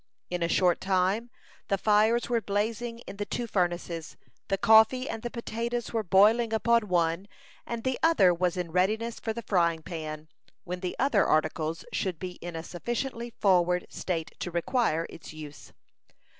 In a short time the fires were blazing in the two furnaces, the coffee and the potatoes were boiling upon one, and the other was in readiness for the frying pan, when the other articles should be in a sufficiently forward state to require its use.